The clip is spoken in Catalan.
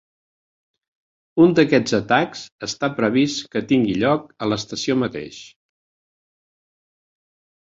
Un d'aquests atacs està previst que tingui lloc a l'estació mateix.